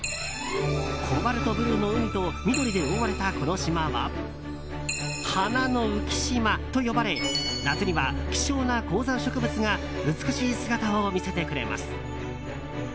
コバルトブルーの海と緑で覆われたこの島は花の浮島と呼ばれ夏には希少な高山植物が美しい姿を見せてくれます。